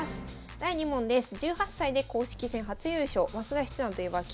第２問です。え？